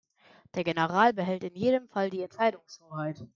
Der General behält in jedem Fall die Entscheidungshoheit.